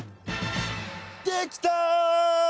できた！